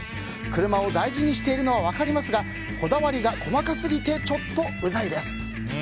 車を大事にしているのは分かりますがこだわりが細かすぎてちょっとウザいです。